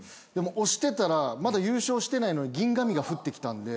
押してたらまだ優勝してないのに銀紙が降ってきたんで。